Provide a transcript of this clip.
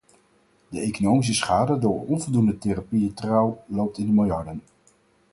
De economische schade door onvoldoende therapietrouw loopt in de miljarden.